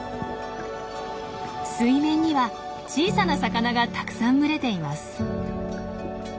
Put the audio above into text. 水面には小さな魚がたくさん群れています。